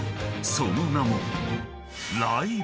［その名も］